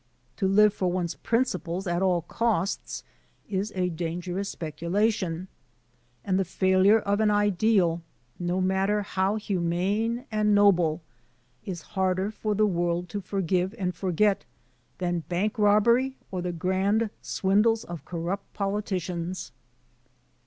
To live for one's prind^des, at all costs, is a dai^:eroa8 speculaticm; and the failure of an ideal, no matter how humane and noble, is harder for the world to forgive and forget than bank robbery or the grand swindles of corrupt politi cians.